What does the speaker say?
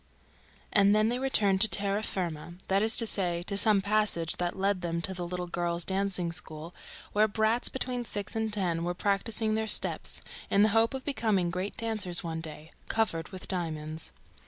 And then they returned to terra firma, that is to say, to some passage that led them to the little girls' dancing school, where brats between six and ten were practising their steps, in the hope of becoming great dancers one day, "covered with diamonds